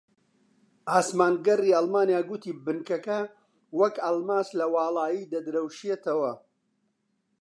ئاسمانگەڕی ئەڵمانیا گوتی بنکەکە وەک ئەڵماس لە واڵایی دەدرەوشێتەوە